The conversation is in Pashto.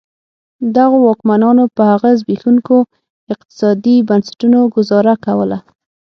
دغو واکمنانو په هغه زبېښونکو اقتصادي بنسټونو ګوزاره کوله.